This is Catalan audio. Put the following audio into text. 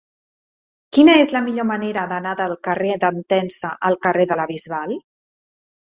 Quina és la millor manera d'anar del carrer d'Entença al carrer de la Bisbal?